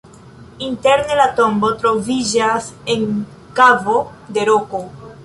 Interne la tombo troviĝas en kavo de roko.